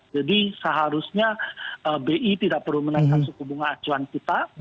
jadi seharusnya bi tidak perlu menaikkan suku bunga acuan kita